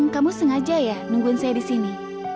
kamu sengaja menunggu saya di sini